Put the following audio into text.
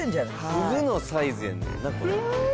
フグのサイズやねんなこれ。